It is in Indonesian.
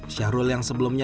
syahrul yang sebelumnya